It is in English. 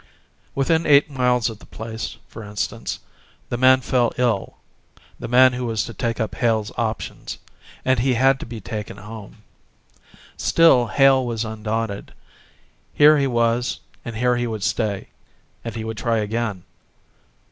Within eight miles of the place, for instance, the man fell ill the man who was to take up Hale's options and he had to be taken home. Still Hale was undaunted: here he was and here he would stay and he would try again.